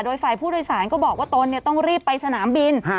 โดยฝ่ายผู้โดยสารก็บอกว่าตนต้องรีบไปสนามบิน